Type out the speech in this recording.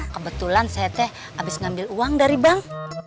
kebetulan saya teh habis ngambil uang dari bank